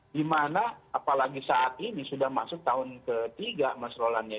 dimana apalagi saat ini sudah masuk tahun ketiga masrolannya